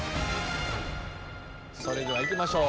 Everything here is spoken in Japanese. それではいきましょう。